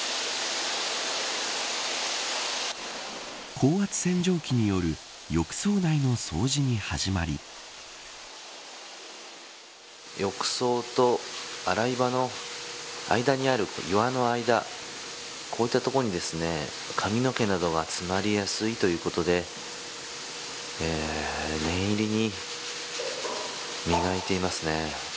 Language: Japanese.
高圧洗浄機による浴槽内の掃除に始まり浴槽と洗い場の間にある岩の間こういった所に髪の毛などが詰まりやすいということで念入りに磨いていますね。